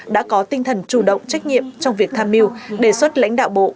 đã có tinh thần chủ động trách nhiệm trong việc tham mưu đề xuất lãnh đạo bộ